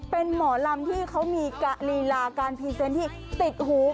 เป็นหมอลำที่เขามีลีลาการพรีเซนต์ที่ติดหู